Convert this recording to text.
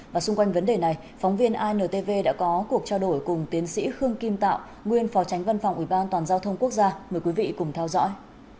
và xung quanh vấn đề này phóng viên intv đã có cuộc trao đổi cùng tiến sĩ khương kim tạo nguyên phó tránh văn phòng ủy ban an toàn giao thông quốc gia mời quý vị cùng theo dõi